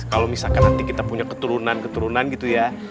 kalau misalkan nanti kita punya keturunan keturunan gitu ya